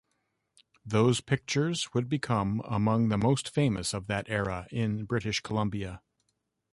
Those pictures would become among the most famous of that era in British Columbia.